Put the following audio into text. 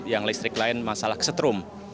yang listrik lain masalah kesetrum